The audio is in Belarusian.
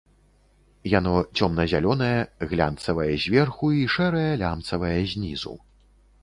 Яно цёмна-зялёнае, глянцавае зверху і шэрае лямцавае знізу.